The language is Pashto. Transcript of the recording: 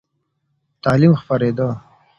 تعلیم خپرېده.